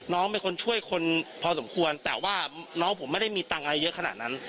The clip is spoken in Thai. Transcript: น้องเป็นคนช่วยคนพอสมควรแต่ว่าน้องผมไม่ได้มีตังค์อะไรเยอะขนาดนั้น